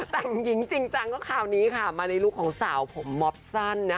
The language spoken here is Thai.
แต่งหญิงจริงจังก็คราวนี้ค่ะมาในลูกของสาวผมมอบสั้นนะคะ